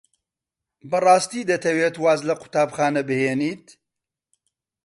بەڕاستی دەتەوێت واز لە قوتابخانە بهێنیت؟